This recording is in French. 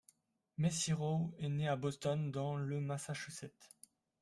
Mesirow est née à Boston, dans le Massachusetts.